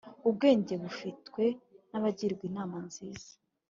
ubwenge bufitwe n’abagirwa inama nziza